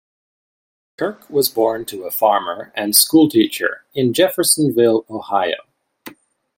Kirk was born to a farmer and schoolteacher in Jeffersonville, Ohio.